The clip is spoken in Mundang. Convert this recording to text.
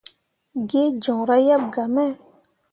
Gee joŋra yeb gah me.